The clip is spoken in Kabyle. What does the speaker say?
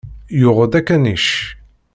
Yuɣ-d akanic.